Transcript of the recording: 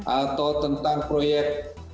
atau tentang proyek